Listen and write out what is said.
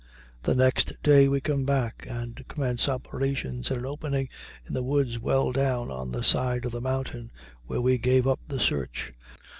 The next day we come back and commence operations in an opening in the woods well down on the side of the mountain where we gave up the search.